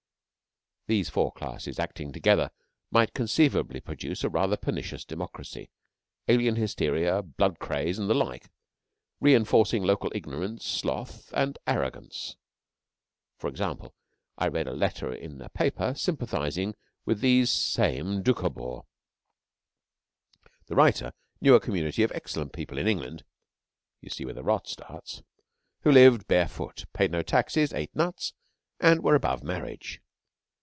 These four classes acting together might conceivably produce a rather pernicious democracy; alien hysteria, blood craze, and the like, reinforcing local ignorance, sloth, and arrogance. For example, I read a letter in a paper sympathising with these same Doukhobors. The writer knew a community of excellent people in England (you see where the rot starts!) who lived barefoot, paid no taxes, ate nuts, and were above marriage.